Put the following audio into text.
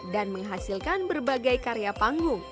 dan menghasilkan berbagai karya panggung